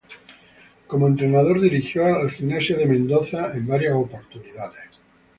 Como entrenador dirigió a Gimnasia de Mendoza en varias oportunidades.